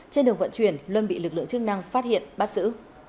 trên đường vận chuyển luân bị lực lượng chức năng phát hiện bắt xử